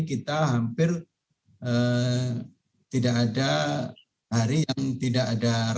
kita hampir tidak ada hari yang tidak ada rapat yang tidak ada perubahan